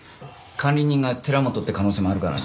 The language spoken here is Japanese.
管理人が寺本って可能性もあるからな。